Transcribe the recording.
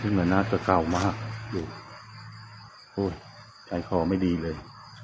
ซึ่งลานาทก็เก่ามากโหยใจคอไม่ดีเลย